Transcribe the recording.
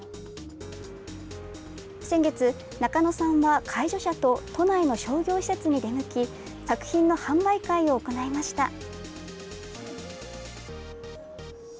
先月、中野さんは介助者と都内の商業施設に出向き作品の販売会を行いました。